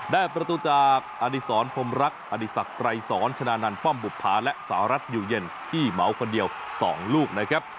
ได้ประตูจากอดีศรพรมรักอดีศักดิ์ไกรสอนชนะนันต์ป้อมบุภาและสหรัฐอยู่เย็นที่เหมาคนเดียว๒ลูกนะครับ